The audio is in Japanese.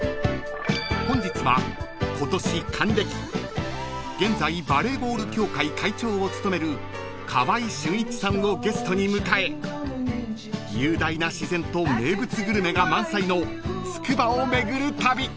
［本日は今年還暦現在バレーボール協会会長を務める川合俊一さんをゲストに迎え雄大な自然と名物グルメが満載のつくばを巡る旅］